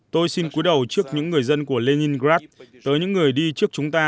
tôi xin cúi đầu trước những người dân của leningrad tới những người đi trước chúng ta